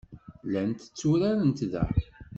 Llant tturarent da.